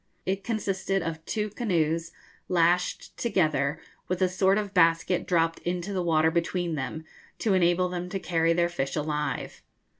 It consisted of two canoes lashed together, with a sort of basket dropped into the water between them, to enable them to carry their fish alive.